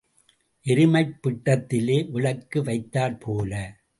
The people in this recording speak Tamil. எருமைப் பிட்டத்திலே விளக்கு வைத்தாற் போல.